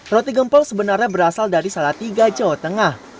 roti gempol sebenarnya berasal dari salah tiga jawa tengah